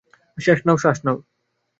শ্বাস নাও, শ্বাস নাও।